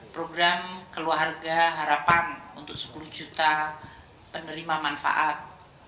program keluarga harapan untuk sepuluh juta penerima manfaat